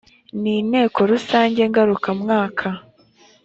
n inteko rusange ngarukamwaka